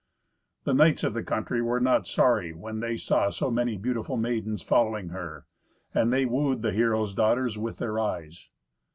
The knights of the country were not sorry when they saw so many beautiful maidens following her, and they wooed the heroes' daughters with their eyes.